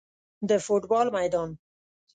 د فوټبال میدان